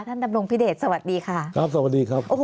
ดำรงพิเดชสวัสดีค่ะครับสวัสดีครับ